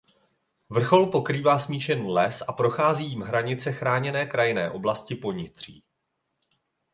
Vrchol pokrývá smíšený les a prochází jím hranice Chráněné krajinné oblasti Ponitří.